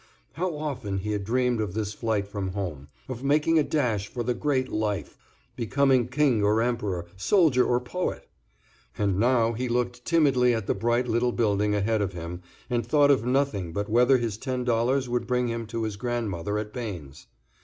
How often he had dreamed of this flight from home, of making a dash for the great Life, becoming king or emperor, soldier or poet! And now he looked timidly at the bright little building ahead of him and thought of nothing but whether his ten dollars would bring him to his grandmother at Bains.